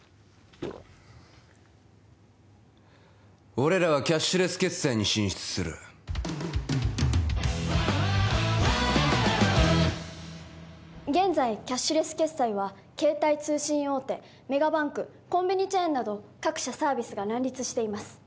俺らはキャッシュレス決済に進出する現在キャッシュレス決済は携帯通信大手メガバンクコンビニチェーンなど各社サービスが乱立しています